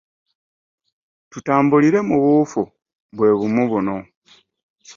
Tutambulire mu buufu bwe bumu buno.